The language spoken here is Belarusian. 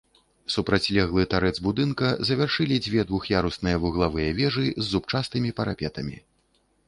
Супрацьлеглы тарэц будынка завяршылі дзве двух'ярусныя вуглавыя вежы з зубчастымі парапетамі.